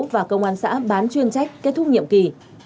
và công an xã bán chuyên trách kết thúc nhiệm kỳ